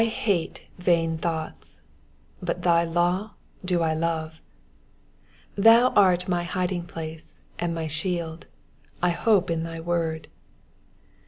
HATE vain thoughts : but thy law do I love. 1 14 Thou art my hiding place and my shield : I hope in thy word.